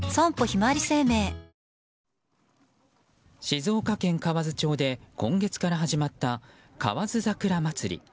静岡県河津町で今月から始まった河津桜まつり。